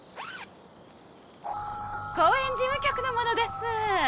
公園事務局の者です。